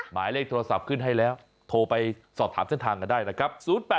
หมายเลขโทรศัพท์ขึ้นให้แล้วโทรไปสอบถามเส้นทางกันได้นะครับ